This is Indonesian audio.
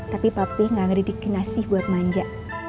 tapi papih gak ngeri di kinasi buat manja